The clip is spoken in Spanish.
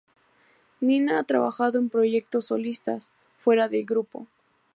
Nina ha trabajado en proyectos solistas, fuera del grupo.